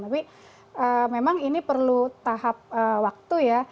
tapi memang ini perlu tahap waktu ya